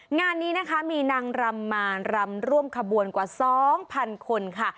งานนี้นะคะมีนางรำมารำร่วมขบวนกว่า๒๐๐๐คนค่ะ